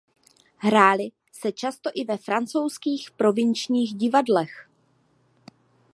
Hrály se často i ve francouzských provinčních divadlech.